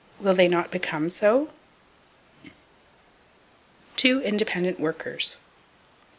Will they not become so? Two Independent Workers.